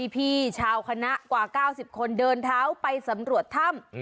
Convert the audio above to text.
พี่ชาวคณะกว่า๙๐คนเดินเท้าไปสำรวจถ้ำ